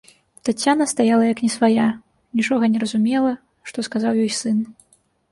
Таццяна стаяла як не свая, нічога не разумела, што сказаў ёй сын.